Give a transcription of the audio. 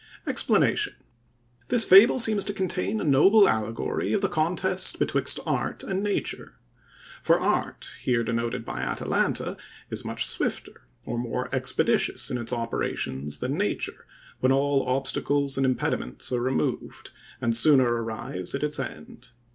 EXPLANATION.—This fable seems to contain a noble allegory of the contest betwixt art and nature. For art, here denoted by Atalanta, is much swifter, or more expeditious in its operations than nature, when all obstacles and impediments are removed, and sooner arrives at its end.